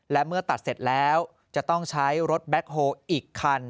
และเมื่อตัดเสร็จแล้วจะต้องใช้รถแบ็คโฮลอีกคัน